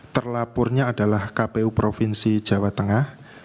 terlapornya adalah kpu provinsi jawa tengah